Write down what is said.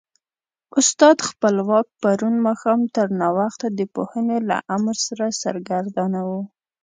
استاد خپلواک پرون ماښام تر ناوخته د پوهنې له امر سره سرګردانه و.